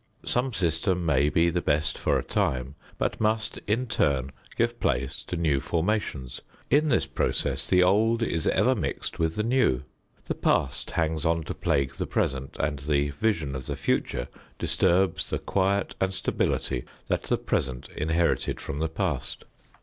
Some system may be the best for a time but must in turn give place to new formations. In this process the old is ever mixed with the new. The past hangs on to plague the present, and the vision of the future disturbs the quiet and stability that the present inherited from the past.